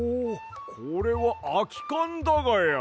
これはあきかんだがや。